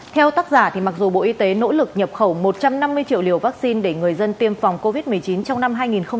theo tác giả mặc dù bộ y tế nỗ lực nhập khẩu một trăm năm mươi triệu liều vaccine để người dân tiêm phòng covid một mươi chín trong năm hai nghìn hai mươi